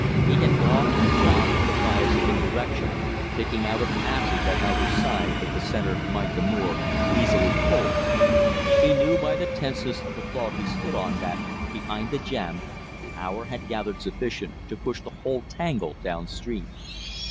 He had gone at the job on the bias of indirection, picking out a passage at either side that the center might the more easily "pull." He knew by the tenseness of the log he stood on that, behind the jam, power had gathered sufficient to push the whole tangle down stream.